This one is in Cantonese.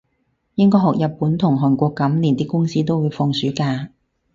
應該學日本同韓國噉，連啲公司都會放暑假